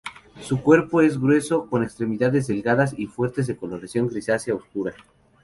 Su cuerpo es grueso, con extremidades delgadas y fuertes de coloración grisácea oscura.